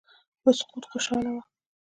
په سقوط خوشاله وه.